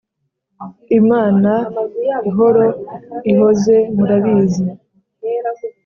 imana ihoro ihoze murabizi